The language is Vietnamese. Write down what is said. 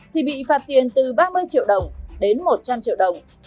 thì bị phạt tiền từ ba mươi triệu đồng đến một trăm linh triệu đồng